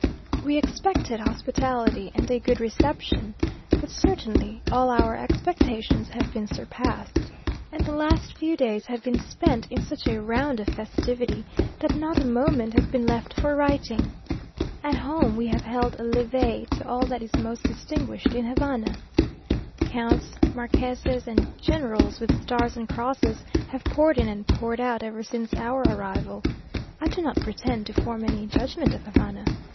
We expected hospitality and a good reception, but certainly all our expectations have been surpassed, and the last few days have been spent in such a round of festivity, that not a moment has been left for writing. At home we have held a levee to all that is most distinguished in Havana. Counts, marquesses, and generals, with stars and crosses, have poured in and poured out ever since our arrival. I do not pretend to form any judgment of Havana.